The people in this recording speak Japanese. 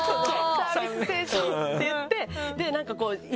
サービス精神。って言っていざ